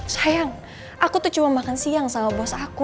sayang aku tuh cuma makan siang sama bos aku